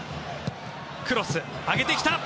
クロス、上げてきた！